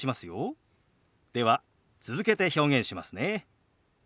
では続けて表現しますね。